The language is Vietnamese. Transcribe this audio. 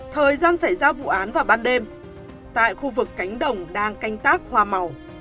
thời gian xảy ra vụ án vào ban đêm tại khu vực cánh đồng đang canh tác hoa màu